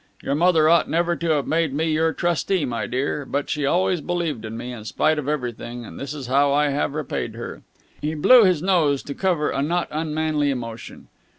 Your mother ought never to have made me your trustee, my dear. But she always believed in me, in spite of everything, and this is how I have repaid her." He blew his nose to cover a not unmanly emotion.